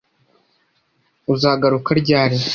Uzagaruka ryari